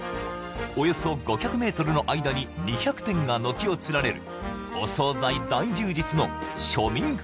およそ５００ｍの間に２００店が軒を連ねるお総菜大充実の庶民派